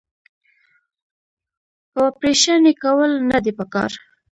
او اپرېشن ئې کول نۀ دي پکار -